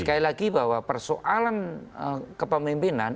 sekali lagi bahwa persoalan kepemimpinan